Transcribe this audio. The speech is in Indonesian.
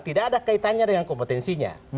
tidak ada kaitannya dengan kompetensinya